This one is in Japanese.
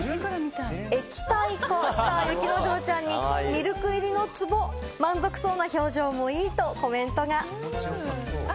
液体化した雪之丞ちゃんにミルク入りの壺、満足そうな表情もいいとコメントが。